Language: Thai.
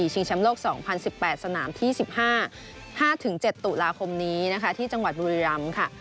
ชิงแชมป์โลก๒๐๑๘สนามที่๑๕๗ตุลาคมที่จังหวัดบุรีรัมพ์